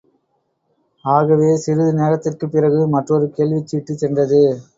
ஆகவே, சிறிது நேரத்திற்குப் பிறகு மற்றொரு கேள்விச்சீட்டு சென்றது.